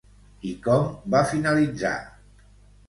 I com va finalitzar?